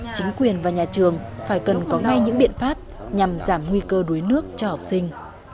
chính quyền và nhà trường phải cần có ngay những biện pháp nhằm giảm nguy cơ đuối nước cho học sinh